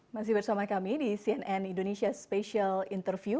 masih bersama kami di cnn indonesia special interview